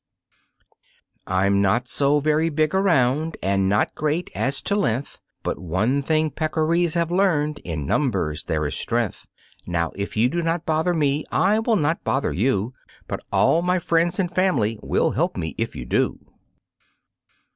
"I'm not so very big around and not great as to length, But one thing Peccaries have learned in numbers there is strength. Now, if you do not bother me I will not bother you, But all my friends and family will help me if you do."